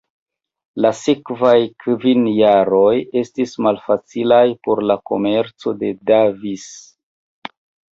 La sekvaj kvin jaroj estis malfacilaj por la komerco de Davies.